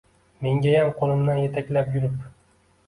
Mengayam qo‘limdan yetaklab yurib